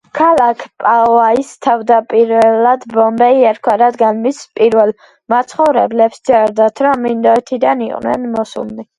ქალაქ პაოაის თავდაპირველად „ბომბეი“ ერქვა, რადგან მის პირველ მაცხოვრებლებს სჯეროდათ, რომ ინდოეთიდან იყვნენ მოსულნი.